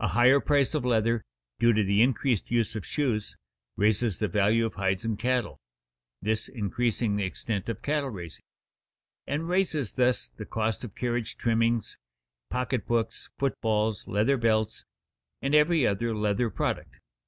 A higher price of leather, due to the increased use of shoes, raises the value of hides and cattle (this increasing the extent of cattle raising) and raises thus the cost of carriage trimmings, pocket books, foot balls, leather belts, and every other leather product.